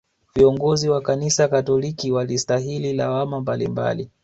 Viongozi wa kanisa katoliki walistahili lawama mbalimbali